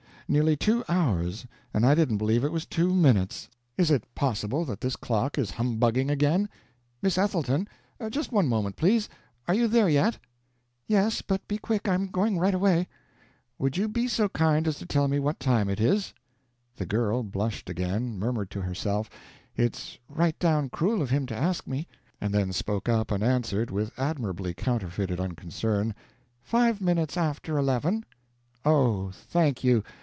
Nearly two hours, and I didn't believe it was two minutes! Is it possible that this clock is humbugging again? Miss Ethelton! Just one moment, please. Are you there yet?" "Yes, but be quick; I'm going right away." "Would you be so kind as to tell me what time it is?" The girl blushed again, murmured to herself, "It's right down cruel of him to ask me!" and then spoke up and answered with admirably counterfeited unconcern, "Five minutes after eleven." "Oh, thank you!